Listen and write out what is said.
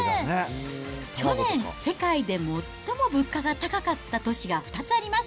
去年、世界で最も物価が高かった都市が２つあります。